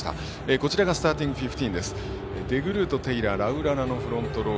こちらがスターティングフィフティーン。